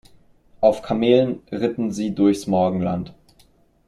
Auf Kamelen ritten sie durchs Morgenland.